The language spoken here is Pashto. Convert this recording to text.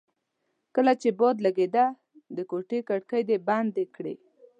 کله چې باد لګېده د کوټې کړکۍ دې بندې کړې.